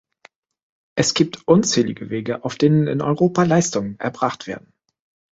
Es gibt unzählige Wege, auf denen in Europa Leistungen erbracht werden.